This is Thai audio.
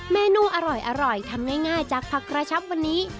เมนูอร่อยทำง่ายจากผักกระชับวันนี้